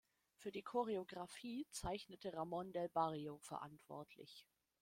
Für die Choreographie zeichnete Ramon Del Barrio verantwortlich.